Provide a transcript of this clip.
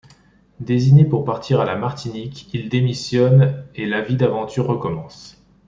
Désigné pour partir à La Martinique, il démissionne et la vie d'aventures recommence.